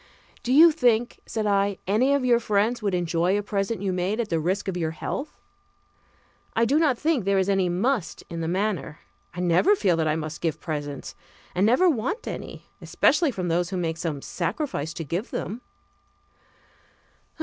"Do you think," said I, "any of your friends would enjoy a present you made at the risk of your health? I do not think there is any 'must' in the matter. I never feel that I must give presents, and never want any, especially from those who make some sacrifice to give them."